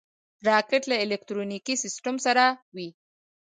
راکټ له الکترونیکي سیسټم سره وي